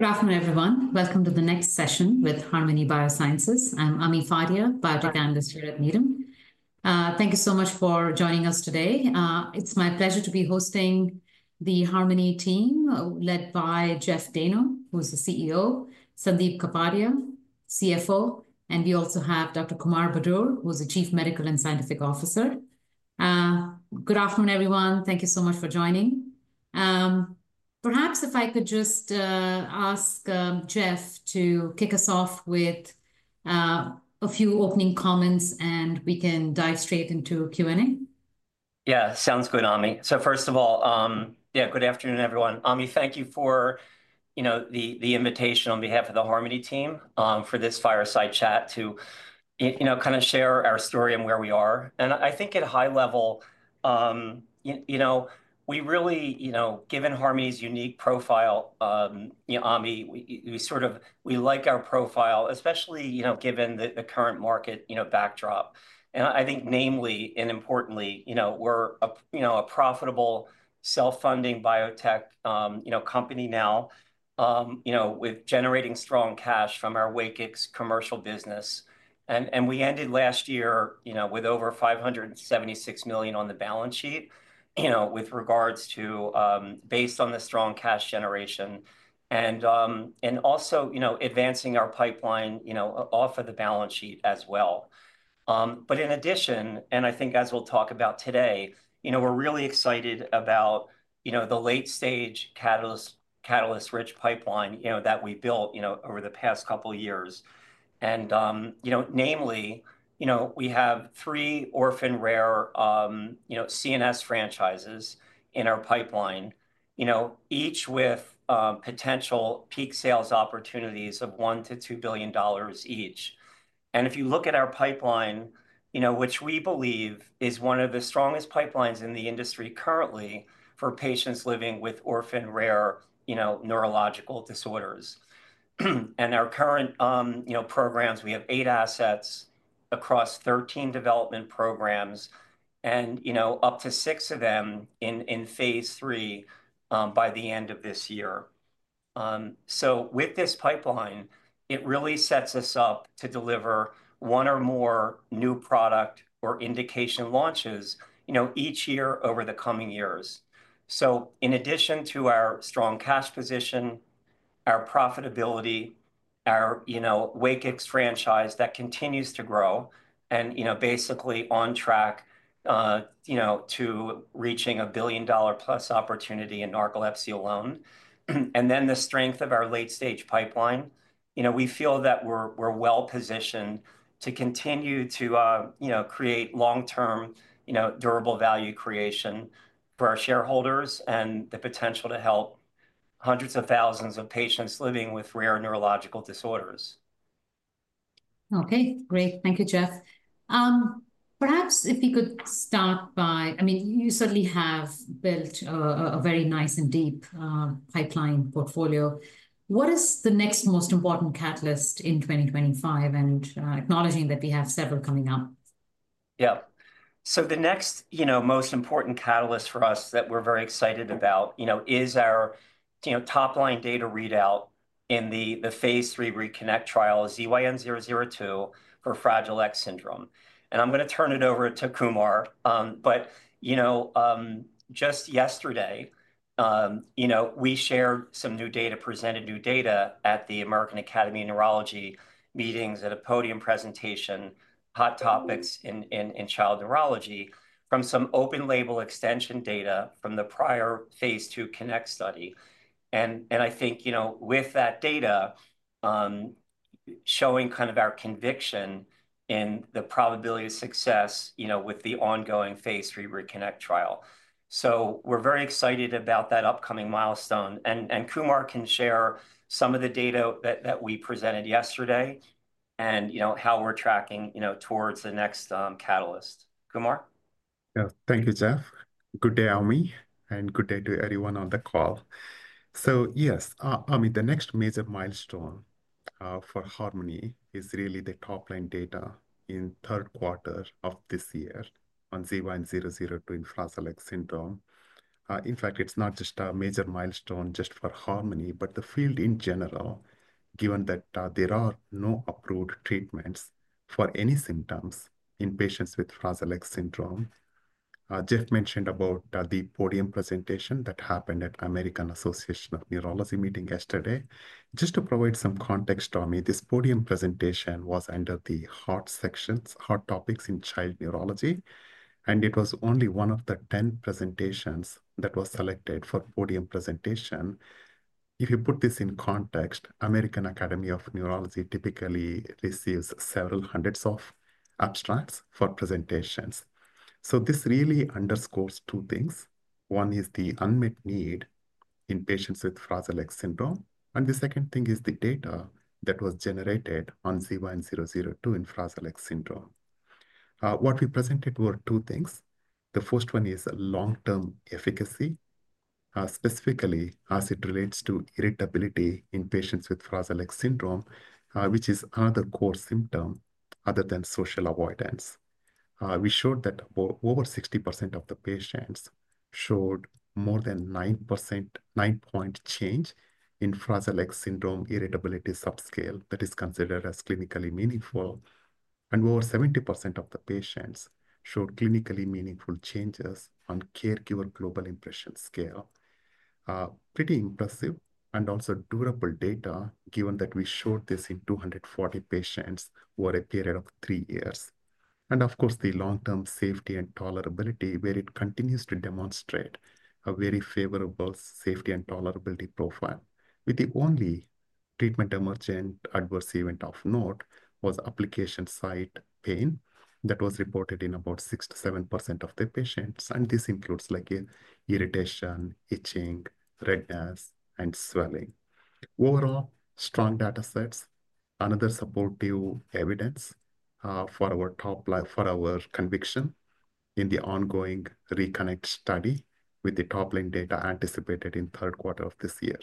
Good afternoon, everyone. Welcome to the next session with Harmony Biosciences. I'm Ami Fadia, Biotech Analyst here at Needham. Thank you so much for joining us today. It's my pleasure to be hosting the Harmony team led by Jeff Dayno, who's the CEO, Sandip Kapadia, CFO, and we also have Dr. Kumar Budur, who's the Chief Medical and Scientific Officer. Good afternoon, everyone. Thank you so much for joining. Perhaps if I could just ask Jeff to kick us off with a few opening comments, and we can dive straight into Q&A. Yeah, sounds good, Ami. First of all, yeah, good afternoon, everyone. Ami, thank you for the invitation on behalf of the Harmony team for this fireside chat to kind of share our story and where we are. I think at a high level, we really, given Harmony's unique profile, Ami, we sort of like our profile, especially given the current market backdrop. I think, namely, and importantly, we're a profitable self-funding biotech company now with generating strong cash from our Wakix commercial business. We ended last year with over $576 million on the balance sheet with regards to, based on the strong cash generation, and also advancing our pipeline off of the balance sheet as well. In addition, I think, as we'll talk about today, we're really excited about the late-stage catalyst-rich pipeline that we built over the past couple of years. Namely, we have three orphan rare CNS franchises in our pipeline, each with potential peak sales opportunities of $1 billion-$2 billion each. If you look at our pipeline, which we believe is one of the strongest pipelines in the industry currently for patients living with orphan rare neurological disorders. In our current programs, we have eight assets across 13 development programs, and up to six of them in phase III by the end of this year. With this pipeline, it really sets us up to deliver one or more new product or indication launches each year over the coming years. In addition to our strong cash position, our profitability, our Wakix franchise that continues to grow, and basically on track to reaching a billion-dollar-plus opportunity in narcolepsy alone, and then the strength of our late-stage pipeline, we feel that we're well-positioned to continue to create long-term durable value creation for our shareholders and the potential to help hundreds of thousands of patients living with rare neurological disorders. Okay, great. Thank you, Jeff. Perhaps if we could start by, I mean, you certainly have built a very nice and deep pipeline portfolio. What is the next most important catalyst in 2025? Acknowledging that we have several coming up. Yeah. The next most important catalyst for us that we're very excited about is our top-line data readout in the phase III RECONNECT trial, ZYN002, for Fragile X syndrome. I'm going to turn it over to Kumar. Just yesterday, we shared some new data, presented new data at the American Academy of Neurology meetings at a podium presentation, hot topics in child neurology from some open-label extension data from the prior phase II CONNECT study. I think with that data showing kind of our conviction in the probability of success with the ongoing phase III RECONNECT trial. We're very excited about that upcoming milestone. Kumar can share some of the data that we presented yesterday and how we're tracking towards the next catalyst. Kumar? Yeah, thank you, Jeff. Good day, Ami, and good day to everyone on the call. Yes, Ami, the next major milestone for Harmony is really the top-line data in third quarter of this year on ZYN002 and Fragile X syndrome. In fact, it's not just a major milestone just for Harmony, but the field in general, given that there are no approved treatments for any symptoms in patients with Fragile X syndrome. Jeff mentioned about the podium presentation that happened at American Academy of Neurology meeting yesterday. Just to provide some context, Ami, this podium presentation was under the hot sections, hot topics in child neurology. It was only one of the 10 presentations that was selected for podium presentation. If you put this in context, the American Academy of Neurology typically receives several hundreds of abstracts for presentations. This really underscores two things. One is the unmet need in patients with Fragile X syndrome. The second thing is the data that was generated on ZYN002 and Fragile X syndrome. What we presented were two things. The first one is long-term efficacy, specifically as it relates to irritability in patients with Fragile X syndrome, which is another core symptom other than social avoidance. We showed that over 60% of the patients showed more than 9-point change in Fragile X syndrome irritability subscale that is considered as clinically meaningful. Over 70% of the patients showed clinically meaningful changes on caregiver global impression scale. Pretty impressive and also durable data, given that we showed this in 240 patients over a period of three years. Of course, the long-term safety and tolerability, where it continues to demonstrate a very favorable safety and tolerability profile. With the only treatment emergent adverse event of note was application site pain that was reported in about 6%-7% of the patients. This includes irritation, itching, redness, and swelling. Overall, strong data sets, another supportive evidence for our conviction in the ongoing RECONNECT study with the top-line data anticipated in third quarter of this year.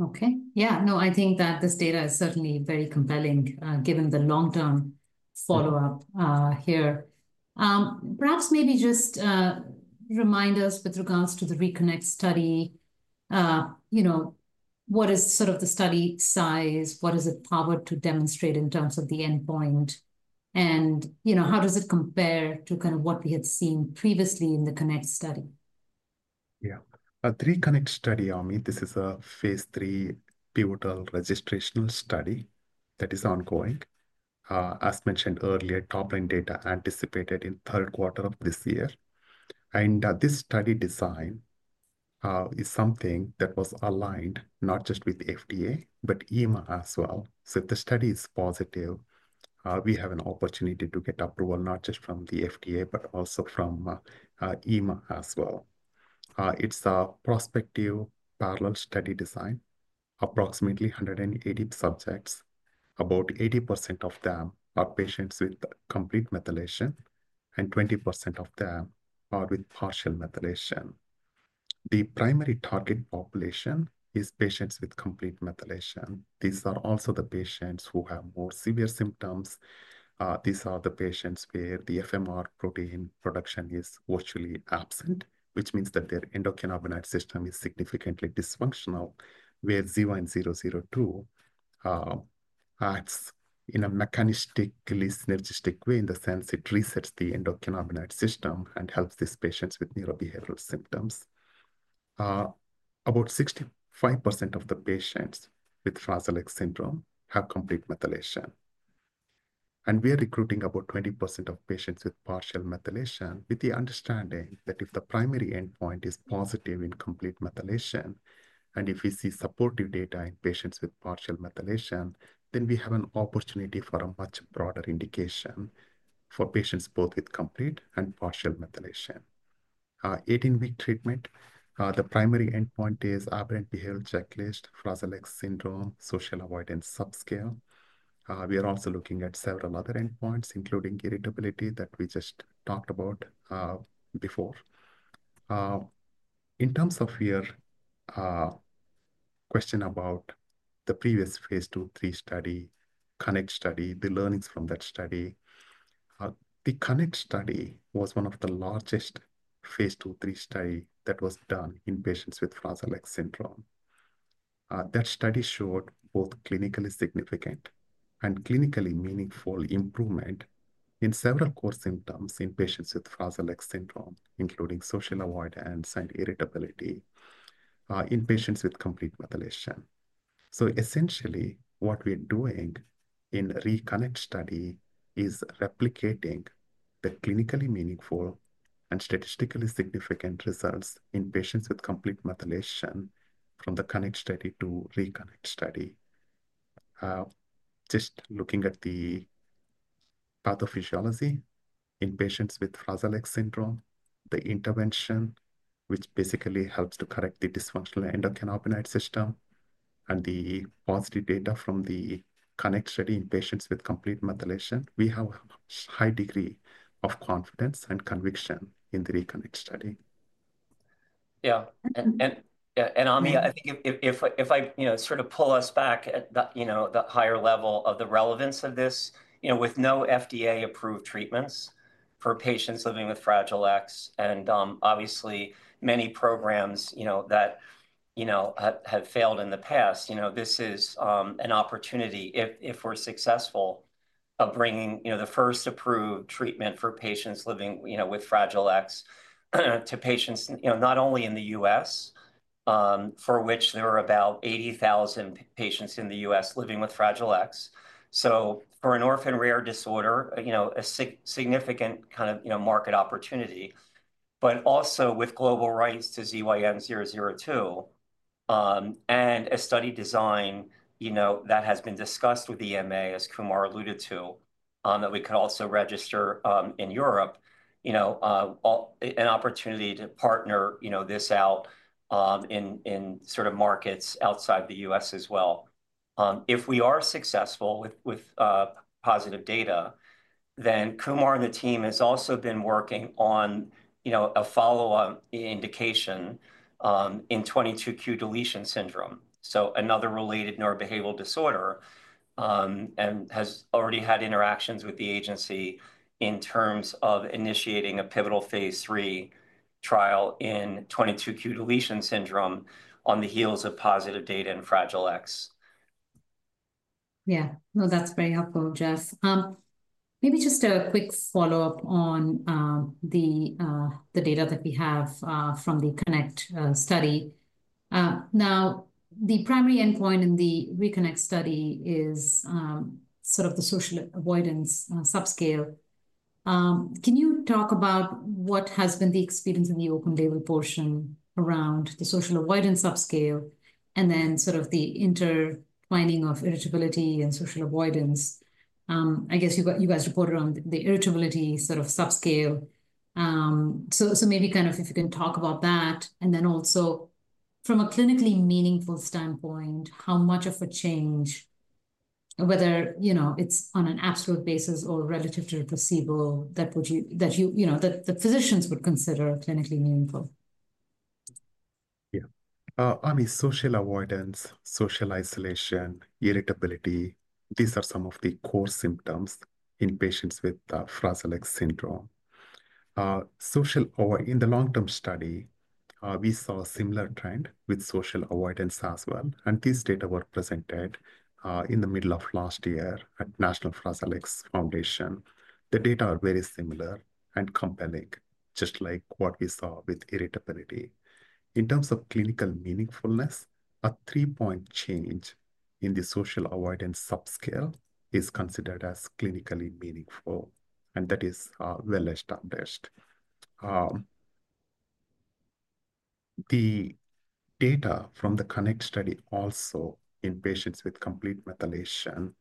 Okay. Yeah, no, I think that this data is certainly very compelling given the long-term follow-up here. Perhaps maybe just remind us with regards to the RECONNECT study, what is sort of the study size? What is it powered to demonstrate in terms of the endpoint? How does it compare to kind of what we had seen previously in the CONNECT study? Yeah. The RECONNECT study, Ami, this is a phase III pivotal registrational study that is ongoing. As mentioned earlier, top-line data anticipated in third quarter of this year. This study design is something that was aligned not just with FDA, but EMA as well. If the study is positive, we have an opportunity to get approval not just from the FDA, but also from EMA as well. It is a prospective parallel study design, approximately 180 subjects. About 80% of them are patients with complete methylation, and 20% of them are with partial methylation. The primary target population is patients with complete methylation. These are also the patients who have more severe symptoms. These are the patients where the FMR protein production is virtually absent, which means that their endocannabinoid system is significantly dysfunctional, where ZYN002 acts in a mechanistically synergistic way in the sense it resets the endocannabinoid system and helps these patients with neurobehavioral symptoms. About 65% of the patients with Fragile X syndrome have complete methylation. We are recruiting about 20% of patients with partial methylation with the understanding that if the primary endpoint is positive in complete methylation, and if we see supportive data in patients with partial methylation, then we have an opportunity for a much broader indication for patients both with complete and partial methylation. Eighteen-week treatment, the primary endpoint is Aberrant Behavior Checklist, Fragile X syndrome, social avoidance subscale. We are also looking at several other endpoints, including irritability that we just talked about before. In terms of your question about the previous phase II-III study, CONNECT study, the learnings from that study, the CONNECT study was one of the largest phase II-III studies that was done in patients with Fragile X syndrome. That study showed both clinically significant and clinically meaningful improvement in several core symptoms in patients with Fragile X syndrome, including social avoidance and irritability in patients with complete methylation. Essentially, what we're doing in RECONNECT study is replicating the clinically meaningful and statistically significant results in patients with complete methylation from the CONNECT study to RECONNECT study. Just looking at the pathophysiology in patients with Fragile X syndrome, the intervention, which basically helps to correct the dysfunctional endocannabinoid system, and the positive data from the CONNECT study in patients with complete methylation, we have a high degree of confidence and conviction in the RECONNECT study. Yeah. Ami, I think if I sort of pull us back at the higher level of the relevance of this, with no FDA-approved treatments for patients living with Fragile X, and obviously many programs that have failed in the past, this is an opportunity, if we're successful, of bringing the first approved treatment for patients living with Fragile X to patients not only in the U.S., for which there are about 80,000 patients in the U.S. living with Fragile X. For an orphan rare disorder, a significant kind of market opportunity, but also with global rights to ZYN002 and a study design that has been discussed with EMA, as Kumar alluded to, that we could also register in Europe, an opportunity to partner this out in markets outside the U.S. as well. If we are successful with positive data, then Kumar and the team has also been working on a follow-up indication in 22q deletion syndrome, so another related neurobehavioral disorder, and has already had interactions with the agency in terms of initiating a pivotal phase III trial in 22q deletion syndrome on the heels of positive data in Fragile X. Yeah. No, that's very helpful, Jeff. Maybe just a quick follow-up on the data that we have from the CONNECT study. Now, the primary endpoint in the RECONNECT study is sort of the social avoidance subscale. Can you talk about what has been the experience in the open-label portion around the social avoidance subscale and then sort of the intertwining of irritability and social avoidance? I guess you guys reported on the irritability sort of subscale. So maybe kind of if you can talk about that, and then also from a clinically meaningful standpoint, how much of a change, whether it's on an absolute basis or relative to the placebo that the physicians would consider clinically meaningful? Yeah. I mean, social avoidance, social isolation, irritability, these are some of the core symptoms in patients with Fragile X syndrome. In the long-term study, we saw a similar trend with social avoidance as well. These data were presented in the middle of last year at National Fragile X Foundation. The data are very similar and compelling, just like what we saw with irritability. In terms of clinical meaningfulness, a three-point change in the social avoidance subscale is considered as clinically meaningful, and that is well established. The data from the CONNECT study also in patients with complete methylation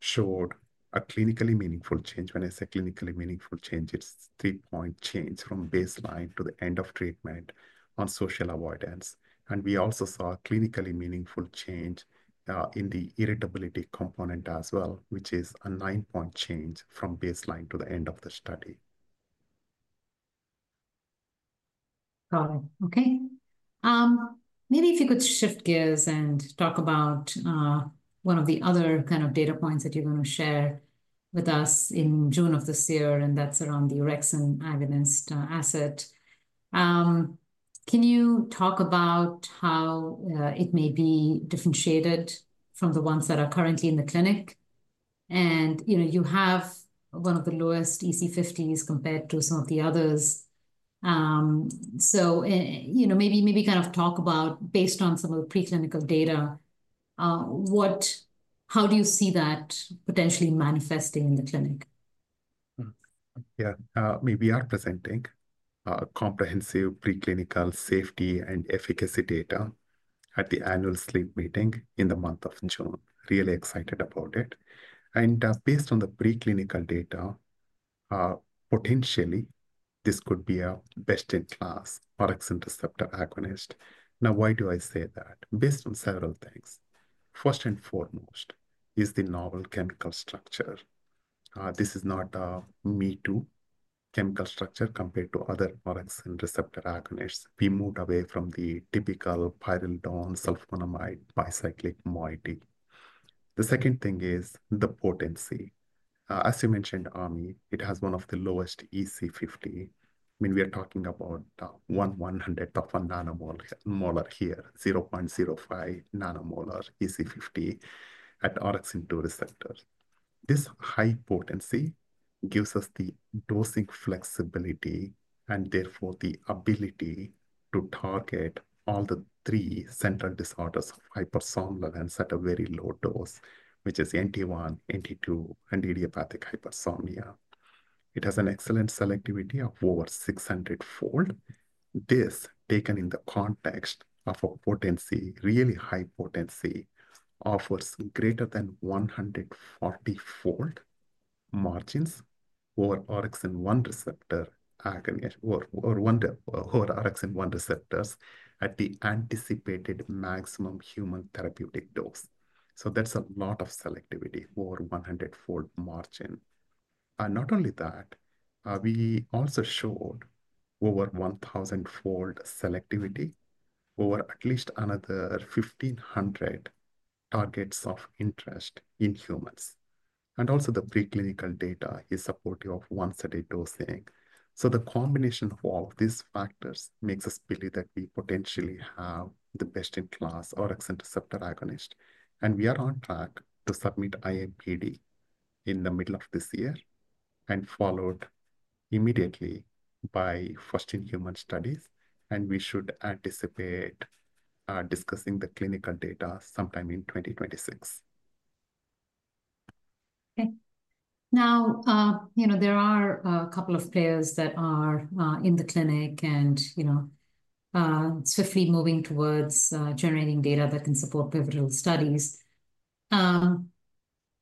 showed a clinically meaningful change. When I say clinically meaningful change, it's a three-point change from baseline to the end of treatment on social avoidance. We also saw a clinically meaningful change in the irritability component as well, which is a nine-point change from baseline to the end of the study. Got it. Okay. Maybe if you could shift gears and talk about one of the other kind of data points that you're going to share with us in June of this year, and that's around the Orexin agonist asset. Can you talk about how it may be differentiated from the ones that are currently in the clinic? You have one of the lowest EC50s compared to some of the others. Maybe kind of talk about, based on some of the preclinical data, how do you see that potentially manifesting in the clinic? Yeah. We are presenting comprehensive preclinical safety and efficacy data at the annual sleep meeting in the month of June. Really excited about it. Based on the preclinical data, potentially, this could be a best-in-class Orexin-2 receptor agonist. Now, why do I say that? Based on several things. First and foremost is the novel chemical structure. This is not a me-too chemical structure compared to other Orexin-2 receptor agonists. We moved away from the typical pyrrolidone, sulfonamide, bicyclic moiety. The second thing is the potency. As you mentioned, Ami, it has one of the lowest EC50. I mean, we are talking about one-one hundredth of a nanomolar here, 0.05 nanomolar EC50 at Orexin-2 receptors. This high potency gives us the dosing flexibility and therefore the ability to target all the three central disorders of hypersomnolence at a very low dose, which is NT1, NT2, and idiopathic hypersomnia. It has an excellent selectivity of over 600-fold. This, taken in the context of a potency, really high potency, offers greater than 140-fold margins for Orexin-1 receptors or Orexin-1 receptors at the anticipated maximum human therapeutic dose. That is a lot of selectivity, over 100-fold margin. Not only that, we also showed over 1,000-fold selectivity over at least another 1,500 targets of interest in humans. Also the preclinical data is supportive of once-a-day dosing. The combination of all these factors makes us believe that we potentially have the best-in-class Orexin-2 receptor agonist. We are on track to submit IMPD in the middle of this year, followed immediately by first-in-human studies. We should anticipate discussing the clinical data sometime in 2026. Okay. Now, there are a couple of players that are in the clinic and swiftly moving towards generating data that can support pivotal studies.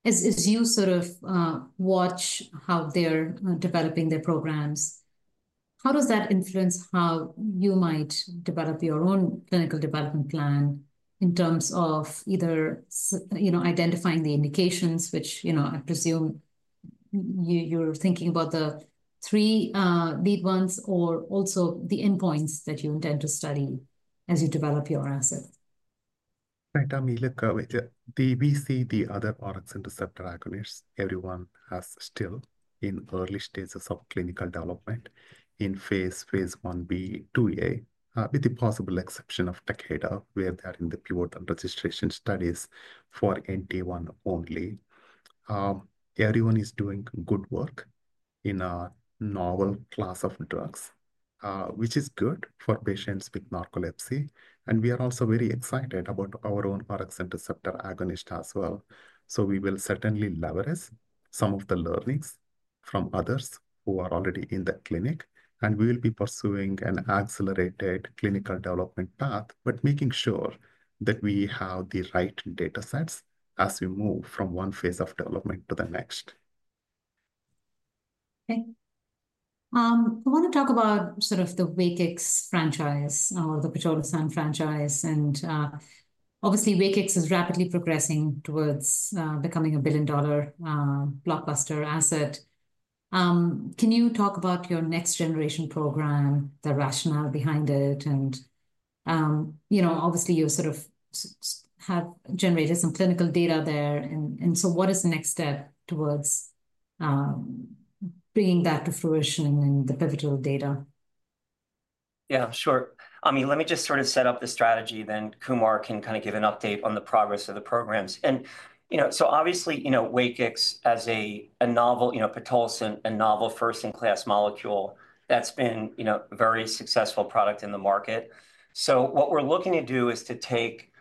As you sort of watch how they're developing their programs, how does that influence how you might develop your own clinical development plan in terms of either identifying the indications, which I presume you're thinking about the three lead ones, or also the endpoints that you intend to study as you develop your asset? Thank you, Ami. Look, we see the other Orexin receptor agonists. Everyone is still in early stages of clinical development in phase I-B, phase II-A, with the possible exception of Takeda, where they are in the pivotal registration studies for NT1 only. Everyone is doing good work in a novel class of drugs, which is good for patients with narcolepsy. We are also very excited about our own Orexin receptor agonist as well. We will certainly leverage some of the learnings from others who are already in the clinic. We will be pursuing an accelerated clinical development path, but making sure that we have the right data sets as we move from one phase of development to the next. Okay. I want to talk about sort of the Wakix franchise or the Pitolisant franchise. Obviously, Wakix is rapidly progressing towards becoming a billion-dollar blockbuster asset. Can you talk about your next-generation program, the rationale behind it? You sort of have generated some clinical data there. What is the next step towards bringing that to fruition and the pivotal data? Yeah, sure. I mean, let me just sort of set up the strategy then. Kumar can kind of give an update on the progress of the programs. Obviously, Wakix as a novel, Pitolisant is a novel first-in-class molecule that's been a very successful product in the market. What we're looking to do is to take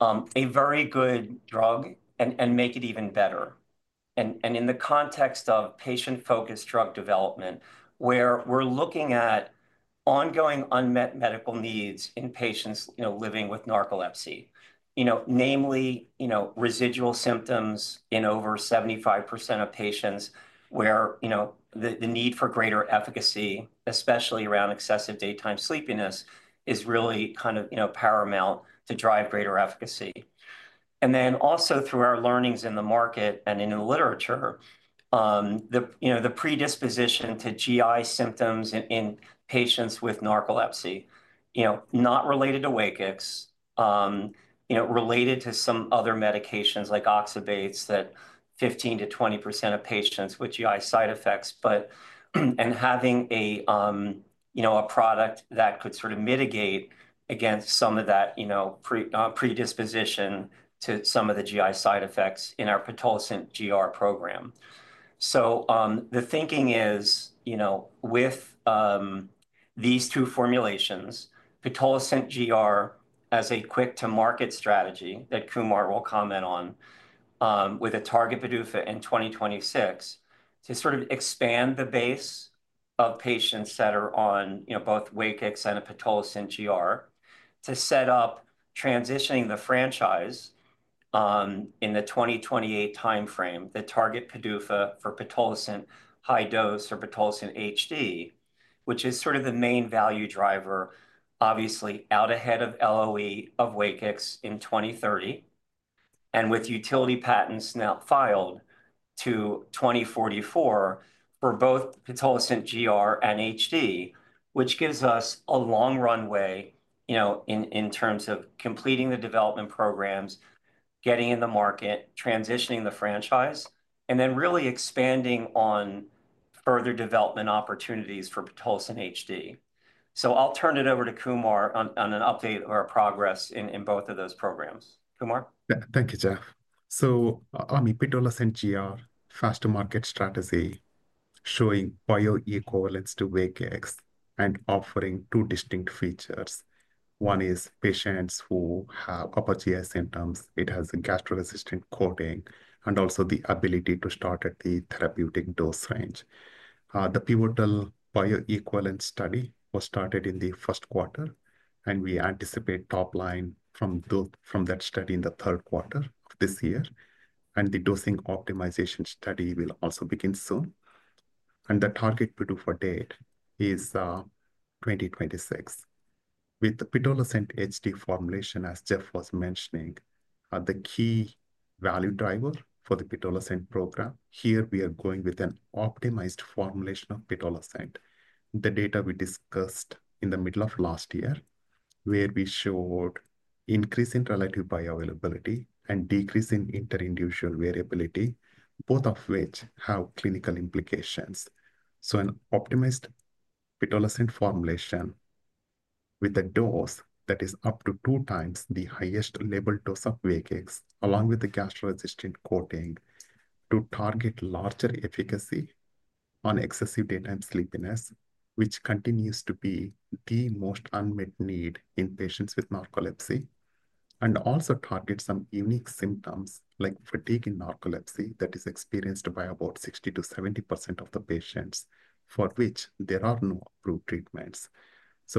a very good drug and make it even better. In the context of patient-focused drug development, where we're looking at ongoing unmet medical needs in patients living with narcolepsy, namely residual symptoms in over 75% of patients, the need for greater efficacy, especially around excessive daytime sleepiness, is really kind of paramount to drive greater efficacy. Through our learnings in the market and in the literature, the predisposition to GI symptoms in patients with narcolepsy, not related to Wakix, related to some other medications like oxybates, that 15%-20% of patients with GI side effects, but having a product that could sort of mitigate against some of that predisposition to some of the GI side effects in our Pitolisant GR program. The thinking is, with these two formulations, Pitolisant GR as a quick-to-market strategy that Kumar will comment on with a target PDUFA in 2026, to sort of expand the base of patients that are on both Wakix and a Pitolisant GR, to set up transitioning the franchise in the 2028 timeframe, the target PDUFA for Pitolisant high dose or Pitolisant HD, which is sort of the main value driver, obviously out ahead of LOE of Wakix in 2030, and with utility patents now filed to 2044 for both Pitolisant GR and HD, which gives us a long runway in terms of completing the development programs, getting in the market, transitioning the franchise, and then really expanding on further development opportunities for Pitolisant HD. I'll turn it over to Kumar on an update of our progress in both of those programs. Kumar? Yeah. Thank you, Jeff. I mean, Pitolisant GR, fast-to-market strategy showing bioequivalence to Wakix and offering two distinct features. One is patients who have upper GI symptoms. It has a gastro-resistant coating and also the ability to start at the therapeutic dose range. The pivotal bioequivalence study was started in the first quarter, and we anticipate top line from that study in the third quarter of this year. The dosing optimization study will also begin soon. The target PDUFA date is 2026. With the Pitolisant HD formulation, as Jeff was mentioning, the key value driver for the Pitolisant program, here we are going with an optimized formulation of Pitolisant. The data we discussed in the middle of last year, where we showed increase in relative bioavailability and decrease in interindividual variability, both of which have clinical implications. An optimized Pitolisant formulation with a dose that is up to 2x the highest label dose of Wakix, along with the gastro-resistant coating, to target larger efficacy on excessive daytime sleepiness, which continues to be the most unmet need in patients with narcolepsy, and also target some unique symptoms like fatigue in narcolepsy that is experienced by about 60%-70% of the patients, for which there are no approved treatments.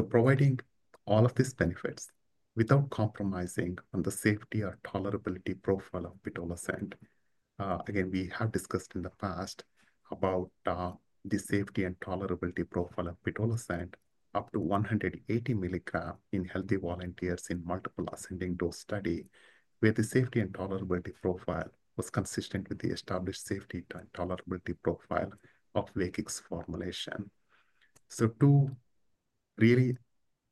Providing all of these benefits without compromising on the safety or tolerability profile of Pitolisant. Again, we have discussed in the past about the safety and tolerability profile of Pitolisant up to 180 mg in healthy volunteers in multiple ascending dose study, where the safety and tolerability profile was consistent with the established safety and tolerability profile of Wakix formulation. Two really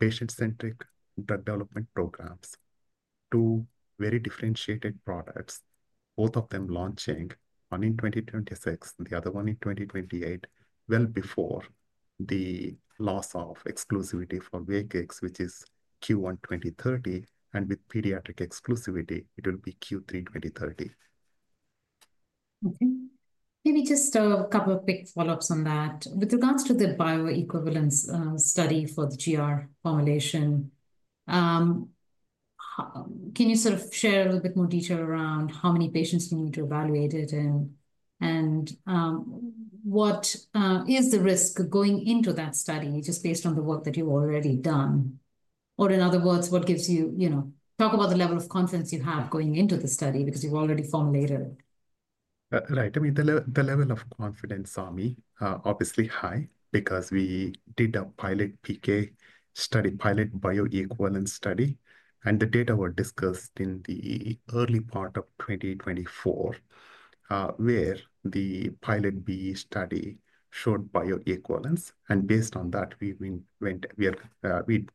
patient-centric drug development programs, two very differentiated products, both of them launching one in 2026, the other one in 2028, well before the loss of exclusivity for Wakix, which is Q1 2030. With pediatric exclusivity, it will be Q3 2030. Okay. Maybe just a couple of quick follow-ups on that. With regards to the bioequivalence study for the GR formulation, can you sort of share a little bit more detail around how many patients you need to evaluate it and what is the risk going into that study, just based on the work that you've already done? In other words, what gives you, talk about the level of confidence you have going into the study because you've already formulated it. Right. I mean, the level of confidence, Ami, obviously high because we did a pilot PK study, pilot bioequivalence study. The data were discussed in the early part of 2024, where the pilot B study showed bioequivalence. Based on that, we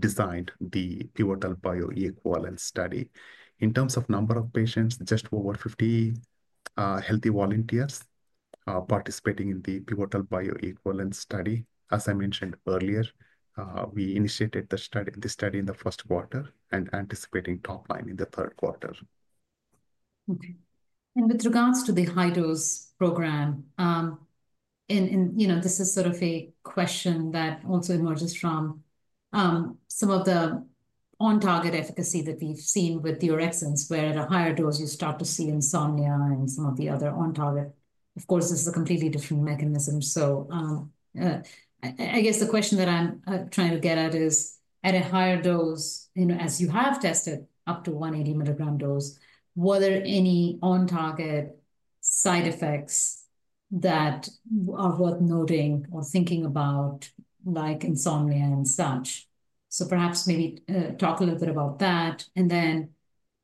designed the pivotal bioequivalence study. In terms of number of patients, just over 50 healthy volunteers participating in the pivotal bioequivalence study. As I mentioned earlier, we initiated the study in the first quarter and anticipating top line in the third quarter. Okay. With regards to the high-dose program, this is sort of a question that also emerges from some of the on-target efficacy that we've seen with the Orexins, where at a higher dose, you start to see insomnia and some of the other on-target. Of course, this is a completely different mechanism. I guess the question that I'm trying to get at is, at a higher dose, as you have tested up to 180 mg dose, were there any on-target side effects that are worth noting or thinking about, like insomnia and such? Perhaps maybe talk a little bit about that.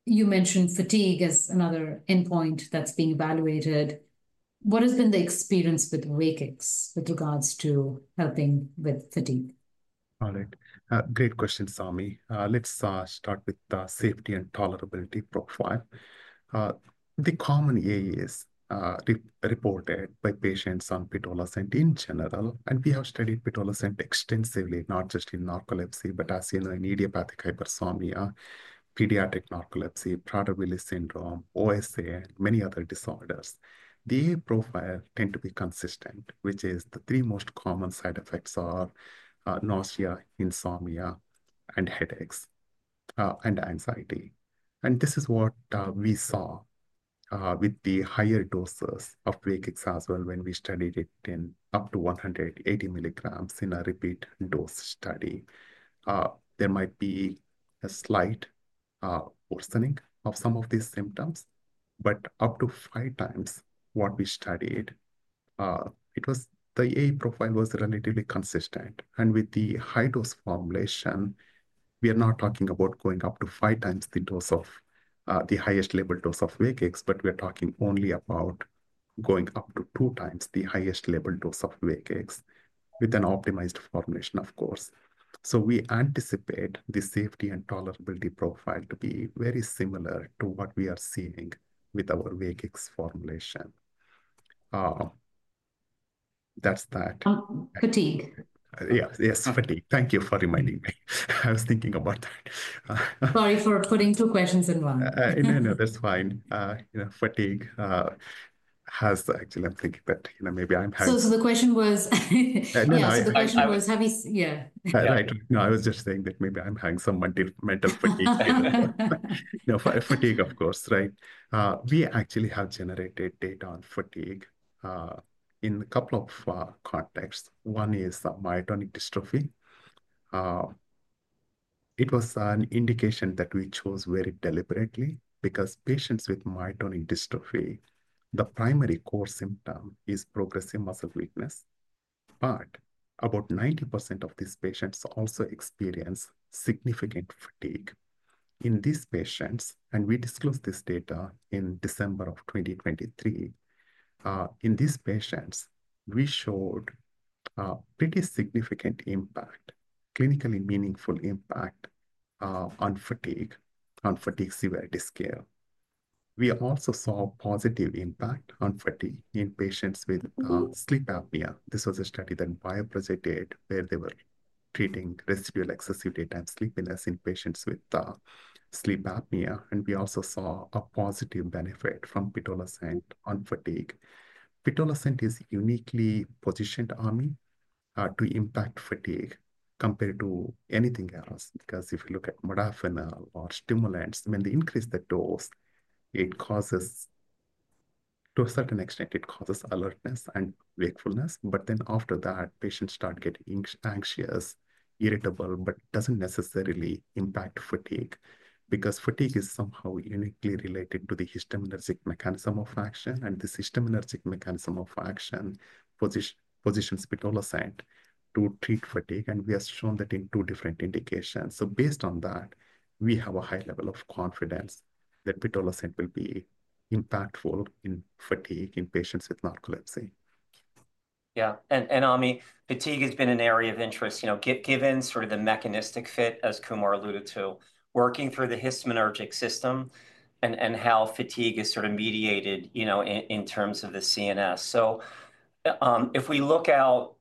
You mentioned fatigue as another endpoint that's being evaluated. What has been the experience with Wakix with regards to helping with fatigue? All right. Great questions, Ami. Let's start with the safety and tolerability profile. The common AEs reported by patients on Pitolisant in general. And we have studied Pitolisant extensively, not just in narcolepsy, but as you know, in idiopathic hypersomnia, pediatric narcolepsy, Prader-Willi syndrome, OSA, and many other disorders. The AE profile tends to be consistent, which is the three most common side effects are nausea, insomnia, headaches, and anxiety. This is what we saw with the higher doses of Wakix as well when we studied it in up to 180 mg in a repeat dose study. There might be a slight worsening of some of these symptoms, but up to 5x what we studied, the AE profile was relatively consistent. With the high-dose formulation, we are not talking about going up to 5x the dose of the highest label dose of Wakix, but we are talking only about going up to 2x the highest label dose of Wakix with an optimized formulation, of course. We anticipate the safety and tolerability profile to be very similar to what we are seeing with our Wakix formulation. That's that. Fatigue. Yeah. Yes, fatigue. Thank you for reminding me. I was thinking about that. Sorry for putting two questions in one. No, no, that's fine. Fatigue has actually, I'm thinking that maybe I'm having. The question was. No, no. The question was, have you yeah. Right. No, I was just saying that maybe I'm having some mental fatigue. Fatigue, of course, right? We actually have generated data on fatigue in a couple of contexts. One is myotonic dystrophy. It was an indication that we chose very deliberately because patients with myotonic dystrophy, the primary core symptom is progressive muscle weakness. But about 90% of these patients also experience significant fatigue. In these patients, and we disclosed this data in December of 2023, in these patients, we showed pretty significant impact, clinically meaningful impact on fatigue on fatigue severity scale. We also saw positive impact on fatigue in patients with sleep apnea. This was a study that Bioprojet did, where they were treating residual excessive daytime sleepiness in patients with sleep apnea. We also saw a positive benefit from Pitolisant on fatigue. Pitolisant is uniquely positioned, Ami, to impact fatigue compared to anything else because if you look at modafinil or stimulants, when they increase the dose, to a certain extent, it causes alertness and wakefulness. After that, patients start getting anxious, irritable, but it does not necessarily impact fatigue because fatigue is somehow uniquely related to the histaminergic mechanism of action. This histaminergic mechanism of action positions Pitolisant to treat fatigue. We have shown that in two different indications. Based on that, we have a high level of confidence that Pitolisant will be impactful in fatigue in patients with narcolepsy. Yeah. Ami, fatigue has been an area of interest, given sort of the mechanistic fit, as Kumar alluded to, working through the histaminergic system and how fatigue is sort of mediated in terms of the CNS. If we look out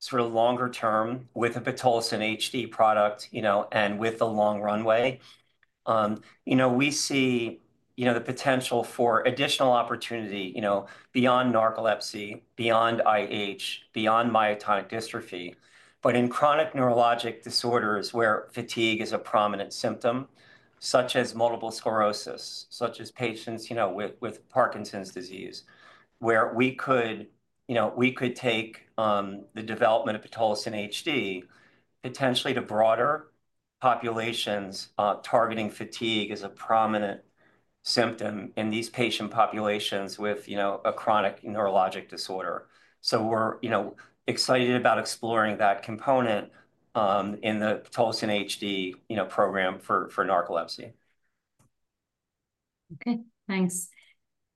sort of longer term with a Pitolisant HD product and with the long runway, we see the potential for additional opportunity beyond narcolepsy, beyond IH, beyond myotonic dystrophy. In chronic neurologic disorders where fatigue is a prominent symptom, such as multiple sclerosis, such as patients with Parkinson's disease, we could take the development of Pitolisant HD potentially to broader populations targeting fatigue as a prominent symptom in these patient populations with a chronic neurologic disorder. We are excited about exploring that component in the Pitolisant HD program for narcolepsy. Okay. Thanks.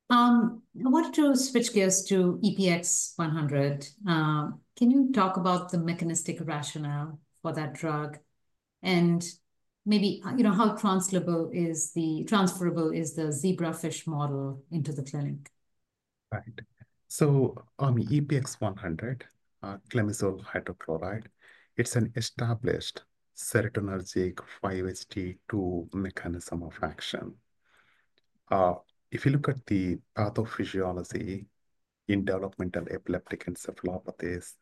I wanted to switch gears to EPX-100. Can you talk about the mechanistic rationale for that drug and maybe how transferable is the zebrafish model into the clinic? Right. EPX-100, clemizole hydrochloride, it's an established serotonergic 5-HT2 mechanism of action. If you look at the pathophysiology in developmental epileptic encephalopathies,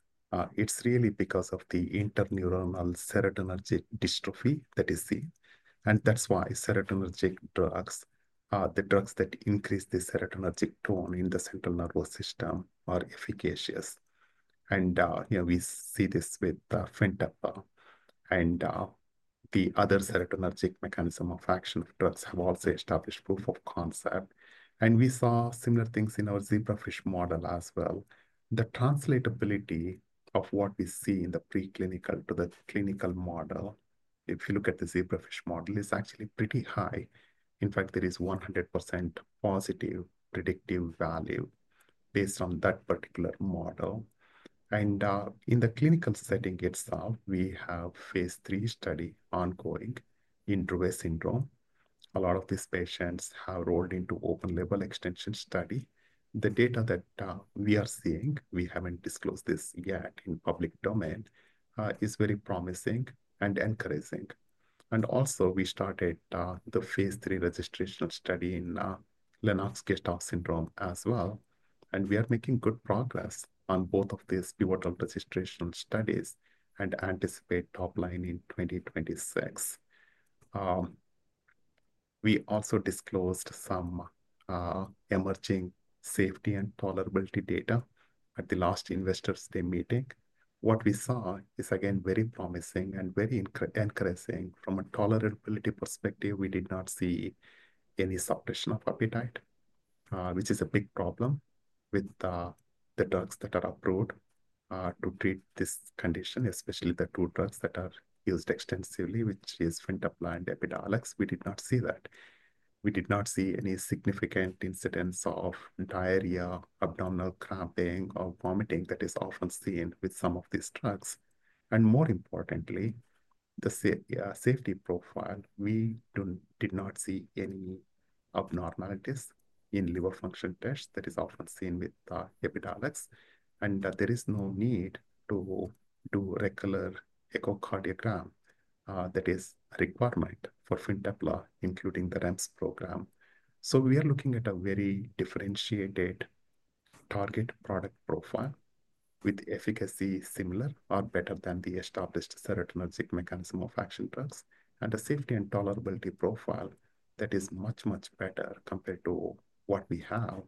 it's really because of the interneuronal serotonergic dystrophy that is seen. That's why serotonergic drugs, the drugs that increase the serotonergic tone in the central nervous system, are efficacious. We see this with fenfluramine. The other serotonergic mechanism of action drugs have also established proof of concept. We saw similar things in our zebrafish model as well. The translatability of what we see in the preclinical to the clinical model, if you look at the zebrafish model, is actually pretty high. In fact, there is 100% positive predictive value based on that particular model. In the clinical setting itself, we have a phase III study ongoing in Dravet syndrome. A lot of these patients have rolled into the open label extension study. The data that we are seeing, we haven't disclosed this yet in public domain, is very promising and encouraging. We started the phase III registration study in Lennox-Gastaut syndrome as well. We are making good progress on both of these pivotal registration studies and anticipate top line in 2026. We also disclosed some emerging safety and tolerability data at the last investors' day meeting. What we saw is, again, very promising and very encouraging. From a tolerability perspective, we did not see any suppression of appetite, which is a big problem with the drugs that are approved to treat this condition, especially the two drugs that are used extensively, which are fenfluramine and Epidiolex. We did not see that. We did not see any significant incidence of diarrhea, abdominal cramping, or vomiting that is often seen with some of these drugs. More importantly, the safety profile, we did not see any abnormalities in liver function tests that is often seen with Epidiolex. There is no need to do regular echocardiogram that is a requirement for fenfluramine, including the REMS program. We are looking at a very differentiated target product profile with efficacy similar or better than the established serotonergic mechanism of action drugs and a safety and tolerability profile that is much, much better compared to what we have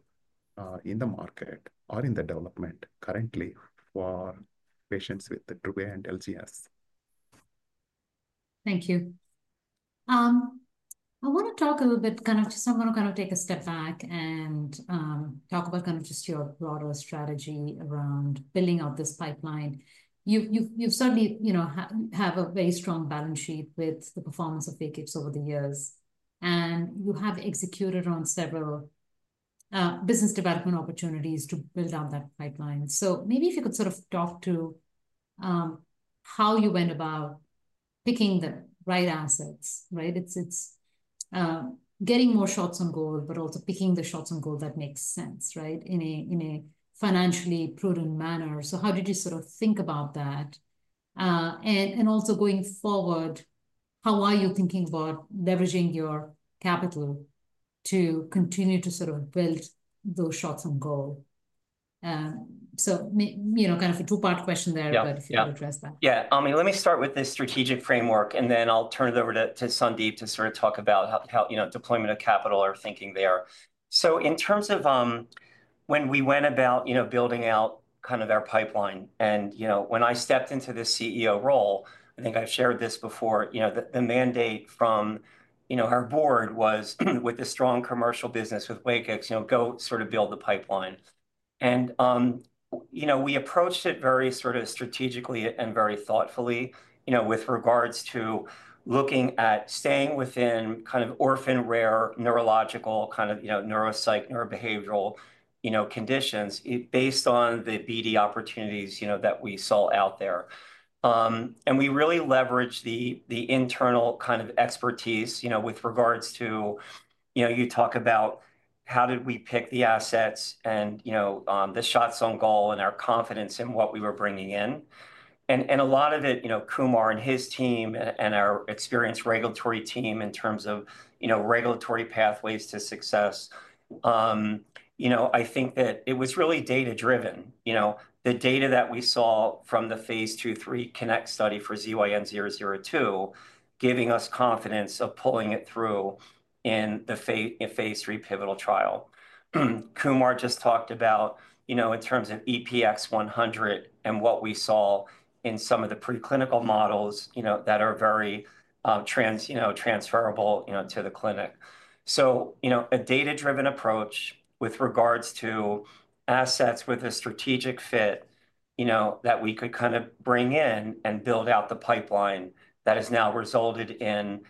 in the market or in the development currently for patients with Dravet and Lennox-Gastaut syndrome. Thank you. I want to talk a little bit, kind of just, I want to kind of take a step back and talk about kind of just your broader strategy around building out this pipeline. You certainly have a very strong balance sheet with the performance of Wakix over the years. You have executed on several business development opportunities to build out that pipeline. Maybe if you could sort of talk to how you went about picking the right assets, right? It is getting more shots on goal, but also picking the shots on goal that make sense, right, in a financially prudent manner. How did you sort of think about that? Also, going forward, how are you thinking about leveraging your capital to continue to sort of build those shots on goal? Kind of a two-part question there, but if you could address that. Yeah. Ami, let me start with this strategic framework, and then I'll turn it over to Sandip to sort of talk about how deployment of capital or thinking there. In terms of when we went about building out kind of our pipeline, and when I stepped into the CEO role, I think I've shared this before, the mandate from our Board was with the strong commercial business with Wakix, go sort of build the pipeline. We approached it very strategically and very thoughtfully with regards to looking at staying within kind of orphan rare neurological kind of neuropsych neurobehavioral conditions based on the BD opportunities that we saw out there. We really leveraged the internal kind of expertise with regards to you talk about how did we pick the assets and the shots on goal and our confidence in what we were bringing in. A lot of it, Kumar and his team and our experienced regulatory team in terms of regulatory pathways to success, I think that it was really data-driven. The data that we saw from the phase II-III CONNECT study for ZYN002 giving us confidence of pulling it through in the phase III pivotal trial. Kumar just talked about in terms of EPX-100 and what we saw in some of the preclinical models that are very transferable to the clinic. A data-driven approach with regards to assets with a strategic fit that we could kind of bring in and build out the pipeline that has now resulted in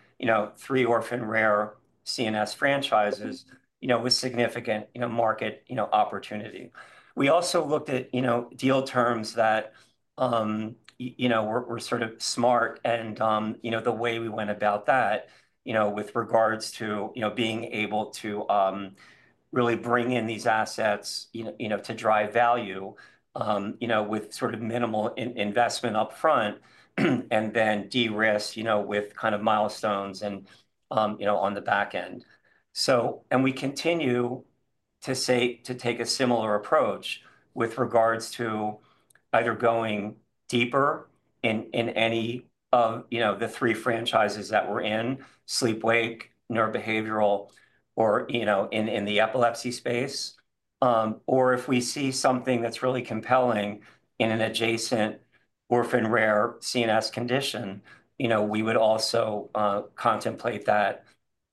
three orphan rare CNS franchises with significant market opportunity. We also looked at deal terms that were sort of smart. The way we went about that with regards to being able to really bring in these assets to drive value with sort of minimal investment upfront and then de-risk with kind of milestones on the back end. We continue to take a similar approach with regards to either going deeper in any of the three franchises that we're in, sleep, wake, neurobehavioral, or in the epilepsy space. If we see something that's really compelling in an adjacent orphan rare CNS condition, we would also contemplate that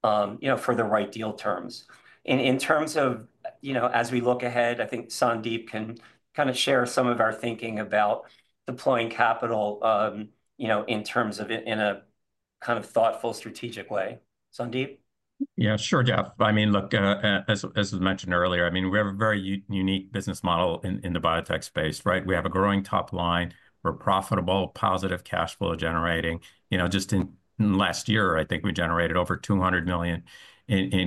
for the right deal terms. In terms of as we look ahead, I think Sandip can kind of share some of our thinking about deploying capital in terms of in a kind of thoughtful strategic way. Sandip? Yeah, sure, Jeff. I mean, look, as was mentioned earlier, I mean, we have a very unique business model in the biotech space, right? We have a growing top line. We're profitable, positive cash flow generating. Just in last year, I think we generated over $200 million in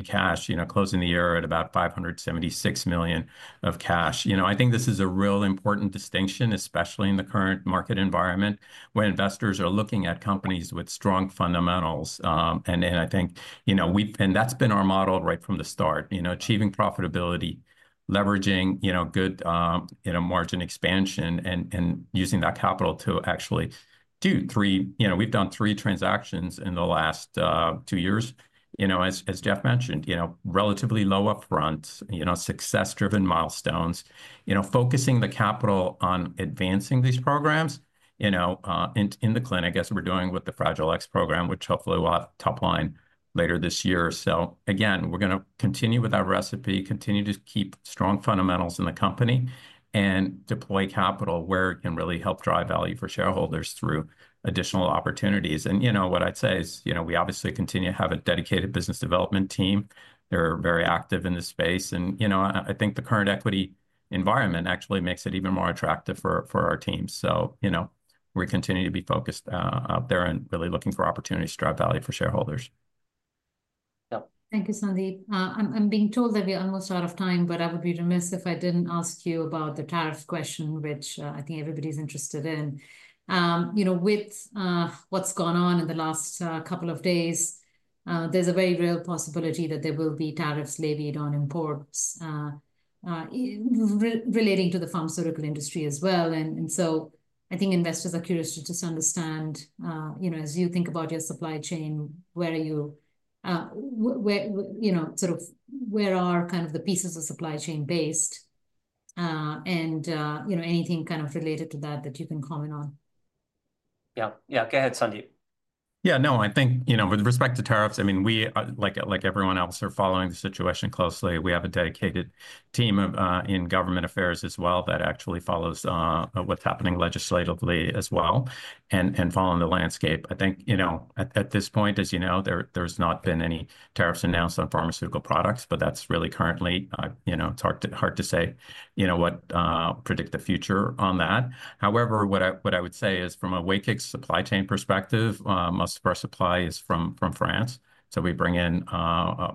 cash, closing the year at about $576 million of cash. I think this is a real important distinction, especially in the current market environment where investors are looking at companies with strong fundamentals. I think that's been our model right from the start, achieving profitability, leveraging good margin expansion, and using that capital to actually do three. We've done three transactions in the last two years. As Jeff mentioned, relatively low upfront, success-driven milestones, focusing the capital on advancing these programs in the clinic as we're doing with the Fragile X program, which hopefully will have top line later this year. Again, we're going to continue with our recipe, continue to keep strong fundamentals in the company, and deploy capital where it can really help drive value for shareholders through additional opportunities. What I'd say is we obviously continue to have a dedicated business development team. They're very active in this space. I think the current equity environment actually makes it even more attractive for our team. We continue to be focused out there and really looking for opportunities to drive value for shareholders. Thank you, Sandip. I'm being told that we're almost out of time, but I would be remiss if I didn't ask you about the tariff question, which I think everybody's interested in. With what's gone on in the last couple of days, there's a very real possibility that there will be tariffs levied on imports relating to the pharmaceutical industry as well. I think investors are curious to just understand, as you think about your supply chain, sort of where are kind of the pieces of supply chain based? Anything kind of related to that that you can comment on? Yeah. Yeah. Go ahead, Sandip. Yeah. No, I think with respect to tariffs, I mean, like everyone else, we're following the situation closely. We have a dedicated team in government affairs as well that actually follows what's happening legislatively as well and following the landscape. I think at this point, as you know, there's not been any tariffs announced on pharmaceutical products, but that's really currently hard to say, predict the future on that. However, what I would say is from a Wakix supply chain perspective, most of our supply is from France. We bring in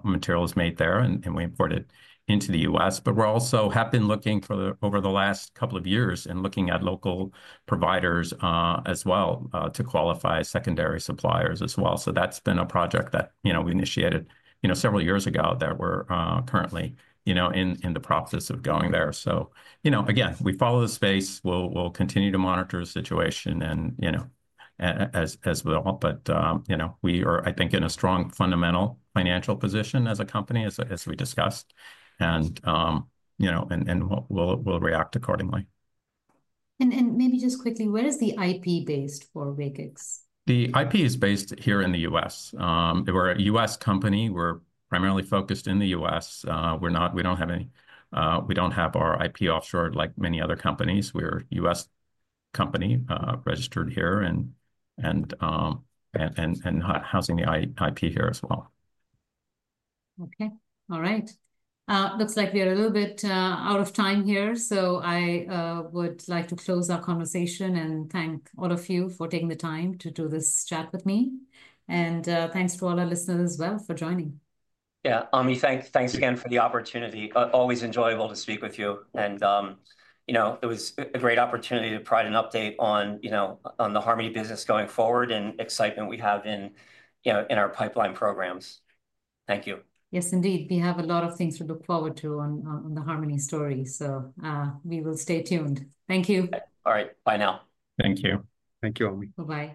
materials made there, and we import it into the U.S. We also have been looking over the last couple of years and looking at local providers as well to qualify secondary suppliers as well. That's been a project that we initiated several years ago that we're currently in the process of going there. Again, we follow the space. We'll continue to monitor the situation as well. We are, I think, in a strong fundamental financial position as a company, as we discussed, and we'll react accordingly. Maybe just quickly, where is the IP based for Wakix? The IP is based here in the U.S. We're a U.S. company. We're primarily focused in the U.S. We don't have any, we don't have our IP offshore like many other companies. We're a U.S. company registered here and housing the IP here as well. Okay. All right. Looks like we are a little bit out of time here. I would like to close our conversation and thank all of you for taking the time to do this chat with me. Thanks to all our listeners as well for joining. Yeah. Ami, thanks again for the opportunity. Always enjoyable to speak with you. It was a great opportunity to provide an update on the Harmony business going forward and excitement we have in our pipeline programs. Thank you. Yes, indeed. We have a lot of things to look forward to on the Harmony story. We will stay tuned. Thank you. All right. Bye now. Thank you. Thank you, Ami. Bye-bye.